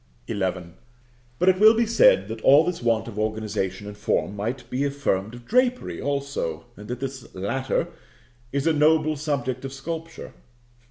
XI. But it will be said that all this want of organisation and form might be affirmed of drapery also, and that this latter is a noble subject of sculpture.